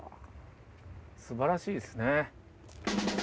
すばらしいですね。